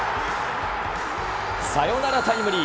サヨナラタイムリー。